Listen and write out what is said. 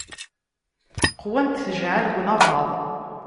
Qwant tjeɛɛal deg unabaḍ.